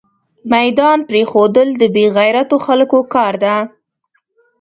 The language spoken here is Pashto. ميدان پريښودل دبې غيرتو خلکو کار ده